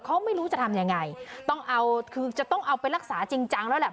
เขาไม่รู้จะทำยังไงต้องเอาคือจะต้องเอาไปรักษาจริงจังแล้วแหละ